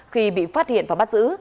khi bị phát hiện và bắt giữ